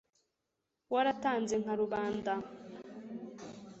waratanze nka rubanda